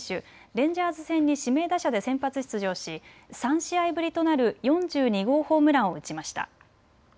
レンジャーズ戦に指名打者で先発出場し３試合ぶりとなる４２号ホームランを打ちました。